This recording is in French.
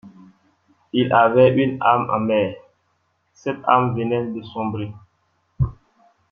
Il avait une âme en mer, cette âme venait de sombrer.